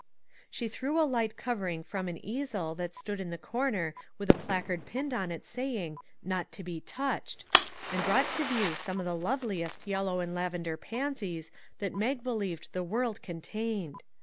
She threw a light covering from an easel that stood in the corner with a placard pinned on it saying " Not to be touched !" and brought to view some of the loveliest yellow and laven der pansies that Mag believed the world con tained.